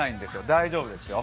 大丈夫ですよ。